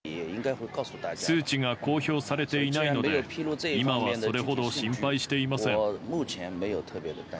数値が公表されていないので、今はそれほど心配していません。